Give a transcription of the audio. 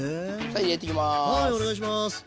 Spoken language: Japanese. はいお願いします。